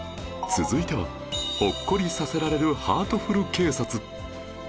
続いてはほっこりさせられるハートフル警察